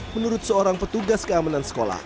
menurut seorang petugas keamanan sekolah